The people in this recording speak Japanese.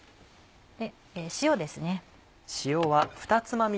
塩ですね。